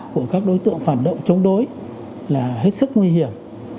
của các đối tượng phản động chống đối là hết sức nguy hiểm